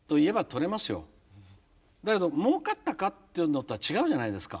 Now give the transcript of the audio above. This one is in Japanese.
だけどもうかったかっていうのとは違うじゃないですか。